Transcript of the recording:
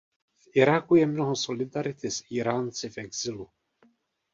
V Iráku je mnoho solidarity s Íránci v exilu.